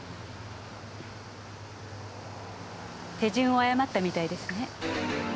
手順を誤ったみたいですね。